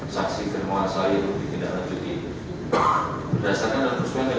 dan itu berbagi dengan desakan kepada keluarga